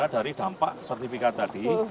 dari dampak sertifikat tadi